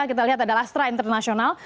kita lihat adalah astra international